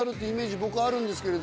僕はあるんですけれど。